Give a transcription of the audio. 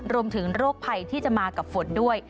โรคภัยที่จะมากับฝนด้วย